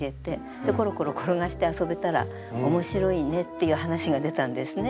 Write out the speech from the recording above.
でコロコロ転がして遊べたら面白いねっていう話が出たんですね。